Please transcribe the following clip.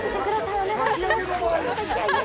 お願いします。